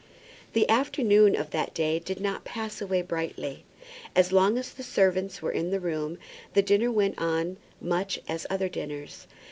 The afternoon of that day did not pass away brightly. As long as the servants were in the room the dinner went on much as other dinners.